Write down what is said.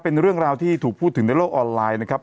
เป็นเรื่องราวที่ถูกพูดถึงในโลกออนไลน์นะครับ